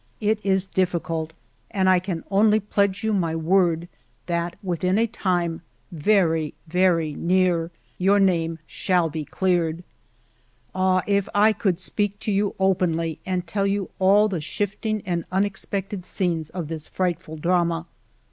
It is difficult, and I can only pledge you my word that within a time very, very near, your name shall be cleared. Ah, if I could speak to you openly and tell you all the shifting and unex pected scenes of this frightful drama!